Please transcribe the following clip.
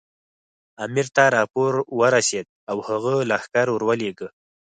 امیر ته راپور ورسېد او هغه لښکر ورولېږه.